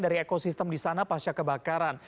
dari ekosistem di sana pasca kebakaran